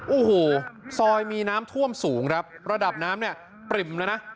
โอ้โหซอยมีน้ำท่วมสูงครับระดับน้ำเนี่ยปริ่มแล้วนะ